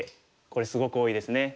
これすごく多いですね。